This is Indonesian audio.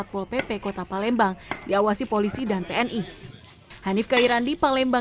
pol pp kota palembang diawasi polisi dan tni